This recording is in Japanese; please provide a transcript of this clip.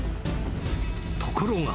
ところが。